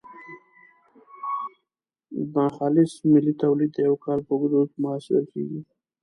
ناخالص ملي تولید د یو کال په اوږدو کې محاسبه کیږي.